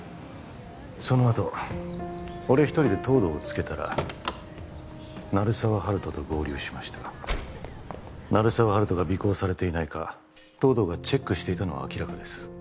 そのあと俺一人で東堂をつけたら鳴沢温人と合流しました鳴沢温人が尾行されていないか東堂がチェックしていたのは明らかです